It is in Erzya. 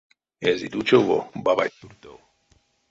Эзить учово бабать туртов.